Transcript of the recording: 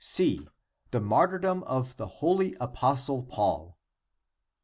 The Martyrdom of the Holy Apostle Paul.